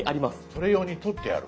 それ用に取ってある？